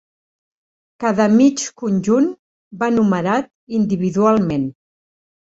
Cada mig conjunt va numerat individualment.